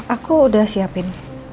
aku udah siapin